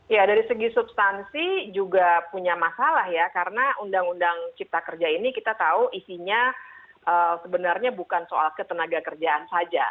ya dari segi substansi juga punya masalah ya karena undang undang cipta kerja ini kita tahu isinya sebenarnya bukan soal ketenaga kerjaan saja